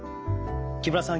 木村さん